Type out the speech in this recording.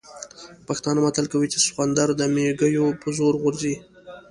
پښتانه متل کوي چې سخوندر د مېږوي په زور غورځي.